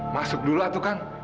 masuk dulu atukang